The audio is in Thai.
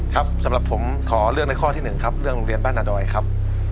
ครับสำหรับผมขอเลือกในข้อที่๑ครับเรื่องโรงเรียนบ้านนาดอยครับ